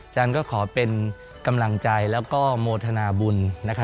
ก็ขอเป็นกำลังใจแล้วก็โมทนาบุญ